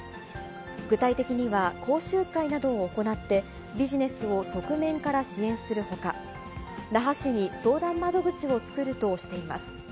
具体的には、講習会などを行って、ビジネスを側面から支援するほか、那覇市に相談窓口を作るとしています。